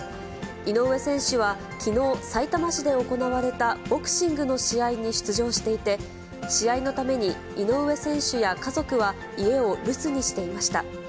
井上選手は、きのう、さいたま市で行われたボクシングの試合に出場していて、試合のために井上選手や家族は、家を留守にしていました。